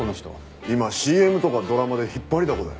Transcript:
今ＣＭとかドラマで引っ張りだこだよ。